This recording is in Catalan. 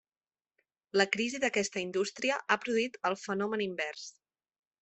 La crisi d'aquesta indústria ha produït el fenomen invers.